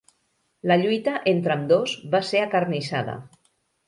La lluita entre ambdós va ser acarnissada.